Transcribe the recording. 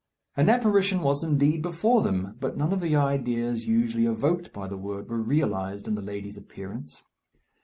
An apparition was indeed before them; but none of the ideas usually evoked by the word were realized in the lady's appearance.